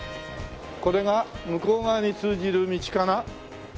これが向こう側に通じる道かな？